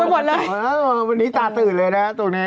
อ๋อวันนี้ตาตื่นเลยนะตรงนี้